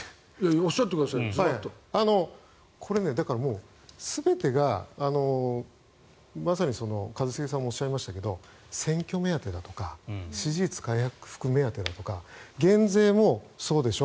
これ全てが、まさに一茂さんもおっしゃいましたが選挙目当てだとか支持率回復目当てだとか減税もそうでしょ